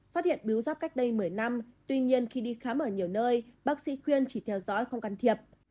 phát hiện biếu giáp cách đây một mươi năm tuy nhiên khi đi khám ở nhiều nơi bác sĩ khuyên chỉ theo dõi không can thiệp